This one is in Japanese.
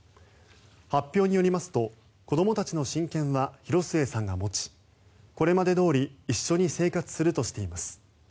発表によりますと子供たちの親権は広末さんが持ちこれまでどおり一緒に生活するとしています。